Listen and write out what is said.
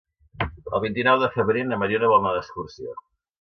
El vint-i-nou de febrer na Mariona vol anar d'excursió.